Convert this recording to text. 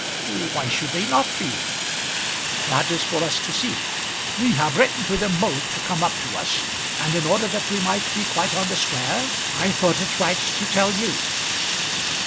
"Why should they not be?" "That is for us to see. We have written to them both to come up to us, and in order that we might be quite on the square I thought it right to tell you."